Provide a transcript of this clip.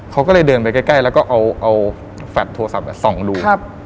เขาก็เลยเดินไปใกล้แล้วก็เอาแฟลตโทรศัพท์ส่องดู